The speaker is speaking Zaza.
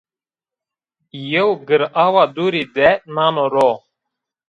Yew girawa dûrî de nano ro